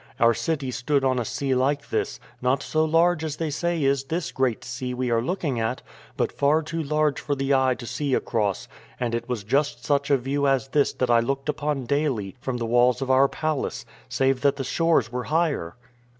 Our city stood on a sea like this, not so large as they say is this Great Sea we are looking at, but far too large for the eye to see across, and it was just such a view as this that I looked upon daily from the walls of our palace, save that the shores were higher."